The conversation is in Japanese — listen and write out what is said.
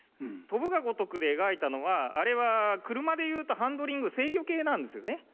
「翔ぶが如く」で描いたのはあれは車でいうとハンドリング制御系なんですよね。